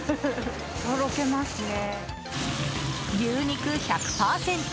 牛肉１００％。